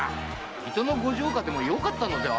水戸のご城下でもよかったのではありませんか？